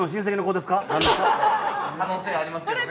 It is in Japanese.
可能性ありますけどね。